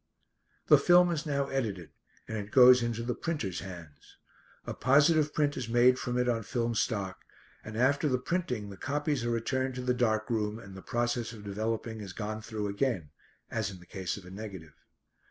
The film is now edited, and it goes into the printer's hands. A positive print is made from it on film stock, and after the printing the copies are returned to the dark room and the process of developing is gone through again, as in the case of a negative.